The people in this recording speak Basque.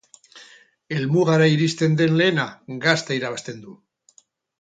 Helmugara iristen den lehena gazta irabazten du.